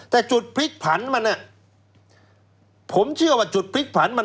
แต่จุดพลิกผันมันผมเชื่อว่าจุดพลิกผันมัน